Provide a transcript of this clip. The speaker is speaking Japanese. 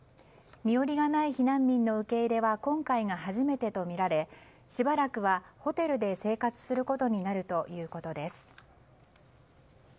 身寄りがない避難民の受け入れは今回が初めてとみられしばらくはホテルで生活することになるということです。